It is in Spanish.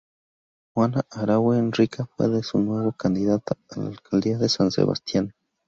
Juana Aranguren Rica fue de nuevo candidata a la alcaldía de San Sebastián.